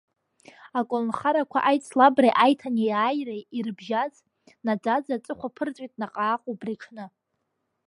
Аколнхарақәа аицлабреи аиҭанеиааиреи ирыбжьаз, наӡаӡа аҵыхәа ԥырҵәеит наҟааҟ убри аҽны.